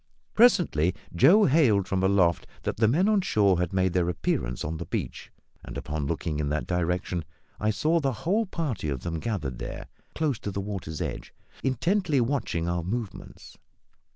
Presently, Joe hailed from aloft that the men on shore had made their appearance on the beach; and, upon looking in that direction, I saw the whole party of them gathered there, close to the water's edge, intently watching our movements.